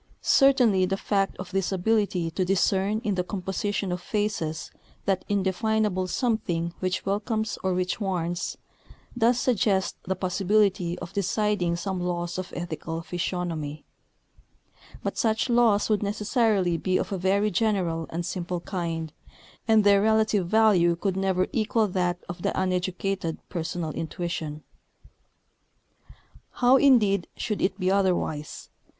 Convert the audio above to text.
Certainly the fact of this ability to discern in the composition of faces that indefinable something which welcomes or which warns, does suggest the possibility of deciding some laws of ethical physiognomy; but such laws would necessarily be of a very general and simple kind, and their relative value could never equal that of the uneducated personal intuition. How, indeed, should it be otherwise?